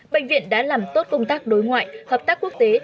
bệnh viện đã làm tốt công tác đối ngoại hợp tác quốc tế